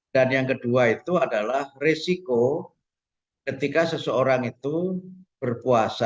dan yang kedua itu adalah risiko ketika seseorang itu berpuasa